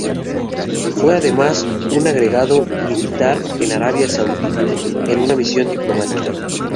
Fue además un agregado militar en Arabia Saudí en una misión diplomática.